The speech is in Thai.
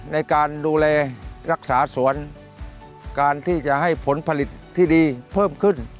ในการดูแลรักษาสวนการที่จะให้ผลผลิตที่ดีเพิ่มขึ้น